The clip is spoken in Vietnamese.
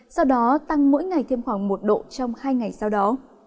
sau đó tăng mỗi ngày thêm khoảng một độ trong hai ngày sau đó